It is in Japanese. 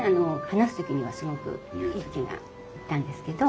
話す時にはすごく勇気がいったんですけど。